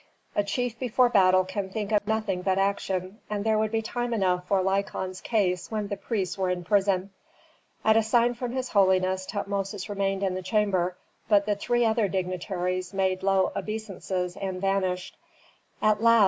A chief before battle can think of nothing but action, and there would be time enough for Lykon's case when the priests were in prison. At a sign from his holiness Tutmosis remained in the chamber, but the three other dignitaries made low obeisances and vanished. "At last!"